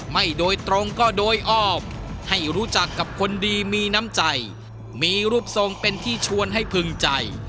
ไม่โดยตรงก็โดยอ้อมให้รู้จักกับคนดีมีน้ำใจมีรูปทรงเป็นที่ชวนให้พึงใจ